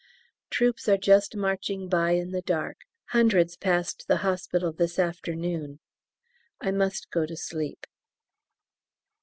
Troops are just marching by in the dark. Hundreds passed the hospital this afternoon. I must go to sleep.